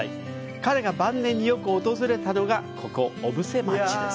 彼が晩年によく訪れたのが、ここ、小布施町です。